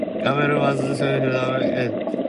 Campbell was Sheriff of Ayr.